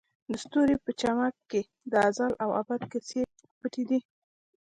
د ستوري په چمک کې د ازل او ابد کیسې پټې دي.